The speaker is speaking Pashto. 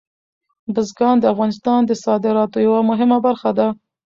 بزګان د افغانستان د صادراتو یوه مهمه برخه ده.